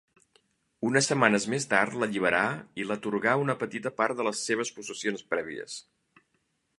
Unes setmanes més tard l'alliberà i l'atorgà una petita part de les seves possessions prèvies.